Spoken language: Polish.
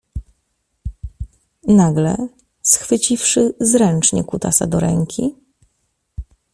Nagle, schwyciwszy zręcznie kutasa do ręki